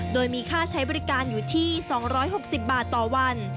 โดยมีค่าใช้บริการอยู่ที่๒๖๐บาทต่อวัน